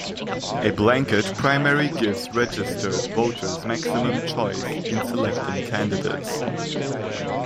A blanket primary gives registered voters maximum choice in selecting candidates.